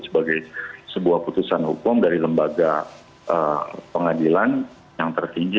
sebagai sebuah putusan hukum dari lembaga pengadilan yang tertinggi